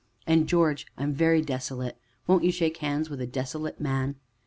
And, George I'm very desolate won't you shake hands with a very desolate man?